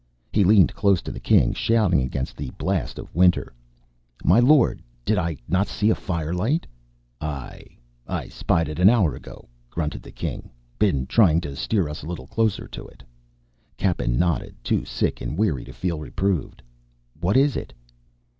He leaned close to the king, shouting against the blast of winter: "My lord, did I not see firelight?" "Aye. I spied it an hour ago," grunted the king. "Been trying to steer us a little closer to it." Cappen nodded, too sick and weary to feel reproved. "What is it?"